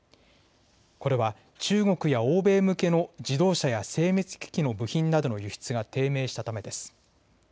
これは中国や欧米向けの自動車や精密機器の部品などの輸出が低迷したためです。